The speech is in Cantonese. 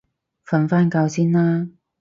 瞓返覺先啦